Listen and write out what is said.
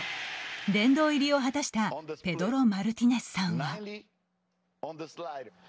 殿堂入りを果たしたペドロ・マルティネスさんは。